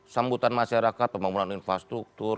sambutan masyarakat pembangunan infrastruktur